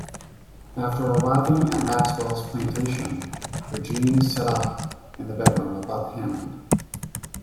After arriving at Maxwell's plantation, Regine is set up in the bedroom above Hammond.